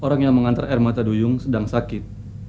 orang yang mengantar air mata duyung sedang sakit